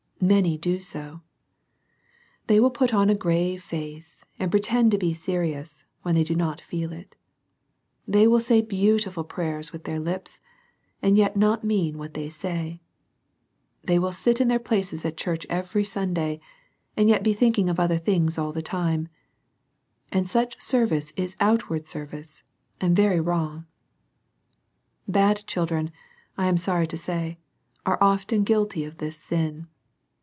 Many do so. They will put on a grave face, and pretend to be serious, while they do not feel it They will say beautiful prayers with their lips, and yet not mean what they say. They will sit in their places at church every Sunday, and yet be thinking of other things all the time, — ^and such service is outward service, and very wrong. CHILDREN WALKING IN TRUTH. 29 Bad children, I am sorry to say, are often guilty of this sin.